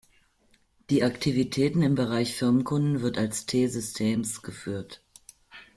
Die Aktivitäten im Bereich Firmenkunden wird als T-Systems geführt.